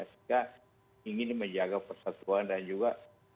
sehingga ingin menjaga persatuan dan juga